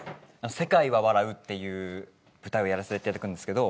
『世界は笑う』っていう舞台をやらせていただくんですけど。